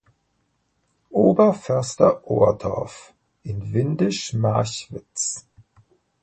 Oberförster Ohrdorff in Windisch Marchwitz.